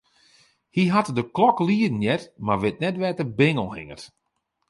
Hy hat de klok lieden heard, mar wit net wêr't de bingel hinget.